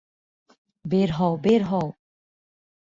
বের হও, বের হও!